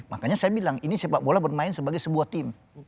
makanya saya bilang ini sepak bola bermain sebagai sebuah tim